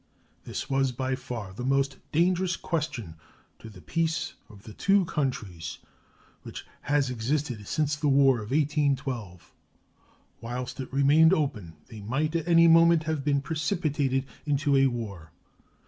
This was by far the most dangerous question to the peace of the two countries which has existed since the War of 1812. Whilst it remained open they might at any moment have been precipitated into a war.